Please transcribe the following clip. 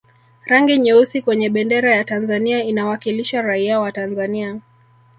rangi nyeusi kwenye bendera ya tanzania inawakilisha raia wa tanzania